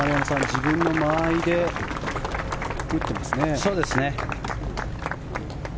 自分の間合いで打ってますね。